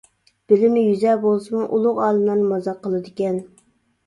بىلىمى يۈزە بولسىمۇ، ئۇلۇغ ئالىملارنى مازاق قىلىدىكەن.